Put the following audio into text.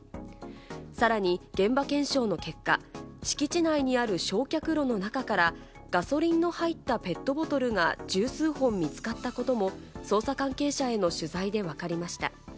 さらに現場検証の結果、敷地内にある焼却炉の中からガソリンの入ったペットボトルが十数本見つかったことも、捜査関係者への取材でわかりました。